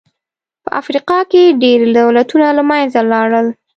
په افریقا کې ډېری دولتونه له منځه لاړل.